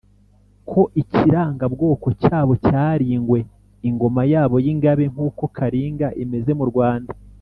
ko ikiranga-bwoko cyabo cyari ingwe. ingoma yabo y’ingabe, nk’uko karinga imeze mu rwanda,